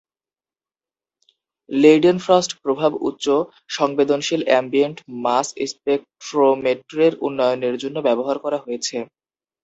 Leidenfrost প্রভাব উচ্চ সংবেদনশীল অ্যাম্বিয়েন্ট মাস স্পেকট্রোমেট্রির উন্নয়নের জন্য ব্যবহার করা হয়েছে।